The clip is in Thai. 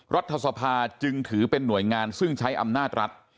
รัฐสภาจึงถือเป็นหน่วยงานซึ่งใช้อำนาจรัฐ